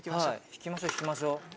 引きましょ引きましょ。